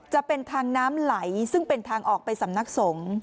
จะเป็นทางน้ำไหลซึ่งเป็นทางออกไปสำนักสงฆ์